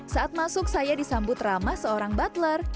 saat masuk saya disambut ramah seorang butler